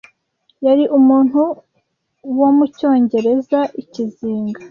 yari umuntu wa mucyongereza Ikizinga